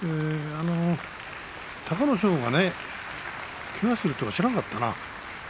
隆の勝が、けがをしているとは知らなかったな。